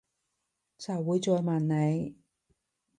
就會再問你